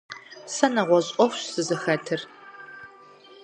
Сэ нэгъуэщӏ ӏуэхущ сызыхэтыр.